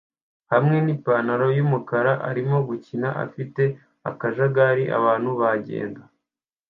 hamwe nipantaro yumukara arimo gukina afite akajagari abantu bagenda